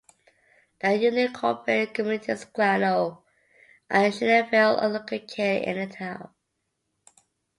The unincorporated communities of Clarno and Schneyville are located in the town.